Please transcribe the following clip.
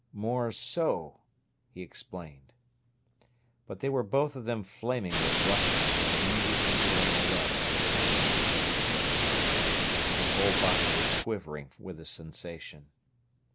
"More so!" he explained. But they were both of them flaming with blushes, and immediately he ran away. He had touched her. His whole body was quivering with the sensation.